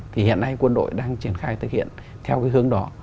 thì hiện nay quân đội đang triển khai thực hiện theo cái hướng đó